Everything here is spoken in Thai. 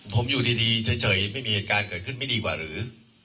ผมอยู่ดีเฉยไม่มีเหตุการณ์เกิดขึ้นไม่ดีกว่าหรือ